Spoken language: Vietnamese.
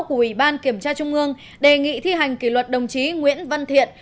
của ủy ban kiểm tra trung ương đề nghị thi hành kỷ luật đồng chí nguyễn văn thiện